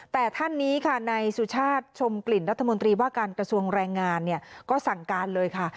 แต่ท่านนี้ค่ะในสุชาติชมกลิ่นรัฐมนตรีว่าการกระทรวงแรงงานเนี่ยก็สั่งการเลยค่ะ